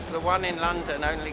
yang ada di london hanya bisa diberikan